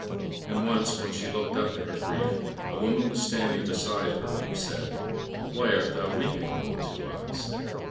And once when she looked up in her grief, a woman was standing beside her, who said, "Why art thou weeping, little Two eyes?"